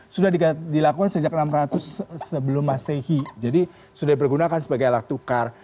sudah dilakukan sejak enam ratus sebelum masehi jadi sudah dipergunakan sebagai alat tukar